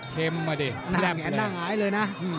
เข็มมาเด็ดแนบเลย